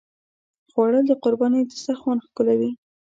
خوړل د قربانۍ دسترخوان ښکلوي